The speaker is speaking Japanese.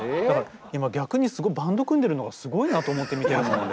今逆にすごいバンド組んでるのがすごいなと思って見てるもん俺。